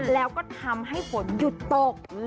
แล้วก็ทำให้ฝนหยุดตก